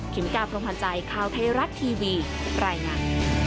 เมกาพรมพันธ์ใจข่าวไทยรัฐทีวีรายงาน